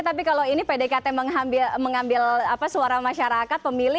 tapi kalau ini pdkt mengambil suara masyarakat pemilih